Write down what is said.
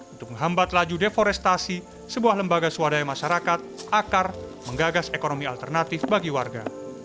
untuk menghambat laju deforestasi sebuah lembaga swadaya masyarakat akar menggagas ekonomi alternatif bagi warga